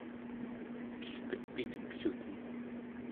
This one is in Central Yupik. elpet pitekluten